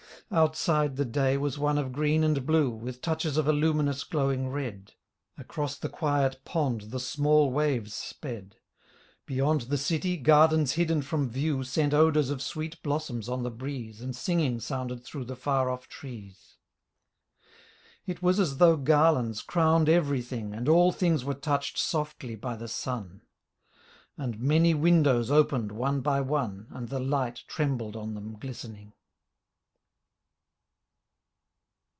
Outside the day was one of green and blue. With touches of a luminous glowing red. Across the quiet pond the small waves sped. Beyond the city, gardens hidden from view Sent odors of sweet blossoms on the breeze And singing sounded through the far off trees. It was as though garlands crowned everything And all things were touched softly by the sun; And many windows opened one by one And the light trembled on them glistening.